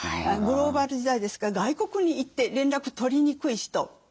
グローバル時代ですから外国に行って連絡取りにくい人。